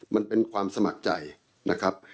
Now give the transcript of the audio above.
มันเป็นความสมัครใจนะครับ